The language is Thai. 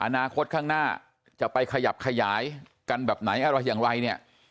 อนาคตข้างหน้าจะไปขยับขยายกันแบบไหนอะไรอย่างไรเนี่ย